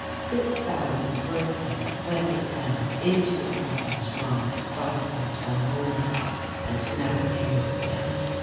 Six thousand workmen went down into the potash mines of Stassfurt one morning and never came up again.